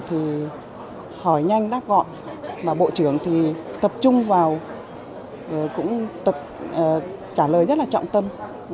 thì hỏi nhanh đắt gọn mà bộ trưởng thì tập trung vào cũng trả lời rất là trọng tâm